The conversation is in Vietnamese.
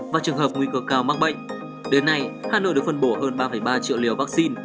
và trường hợp nguy cơ cao mắc bệnh đến nay hà nội được phân bổ hơn ba ba triệu liều vaccine